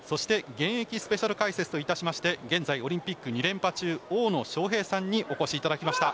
現役スペシャル解説といたしまして現在、オリンピック２連覇中大野将平さんにお越しいただきました。